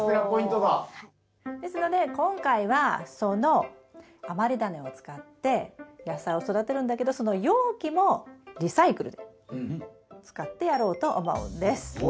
ですので今回はその余りダネを使って野菜を育てるんだけどその容器もリサイクルで使ってやろうと思うんです。